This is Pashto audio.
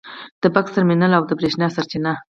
د بکس ترمینل او د برېښنا سرچینه